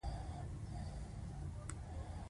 د کندهار انګور هم ډیر کیفیت لري.